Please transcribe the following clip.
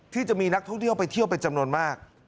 ที่จะมีนักท่องเที่ยวไปเที่ยวเป็นจำนวนมาก